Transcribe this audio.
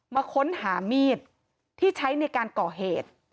มาค้นหามีดที่ใช้ในการก่อเหตุ